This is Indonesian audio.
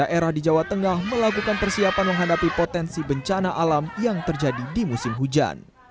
daerah di jawa tengah melakukan persiapan menghadapi potensi bencana alam yang terjadi di musim hujan